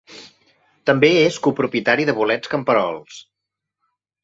També és copropietari de bolets camperols.